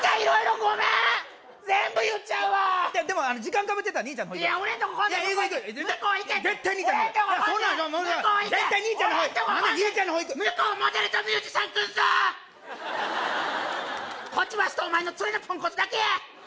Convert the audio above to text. こっちわしとお前のツレのポンコツだけや！